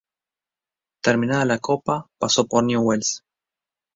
Terminada la Copa pasó por Newell’s.